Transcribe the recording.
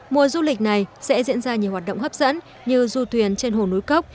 mùa du lịch này sẽ diễn ra nhiều hoạt động hấp dẫn như du thuyền trên hồ núi cốc